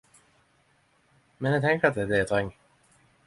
Men eg tenker at det er det eg treng.